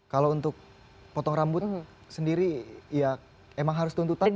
kalau untuk potong rambut sendiri ya emang harus tuntutan